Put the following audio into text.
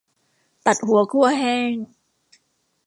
ตัดหัวคั่วแห้ง